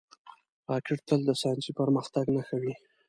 راکټ تل د ساینسي پرمختګ نښه وي